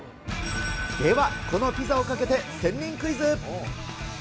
では、このピザをかけて仙人クイズ。